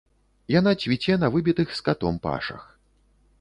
Яна цвіце на выбітых скатом пашах.